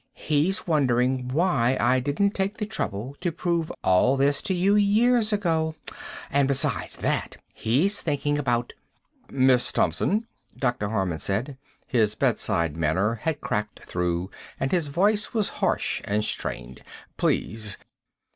"He's wondering why I didn't take the trouble to prove all this to you years ago. And besides that, he's thinking about " "Miss Thompson," Dr. Harman said. His bedside manner had cracked through and his voice was harsh and strained. "Please."